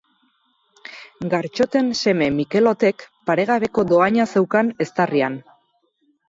Gartxoten seme Mikelotek paregabeko dohaina zeukan eztarrian.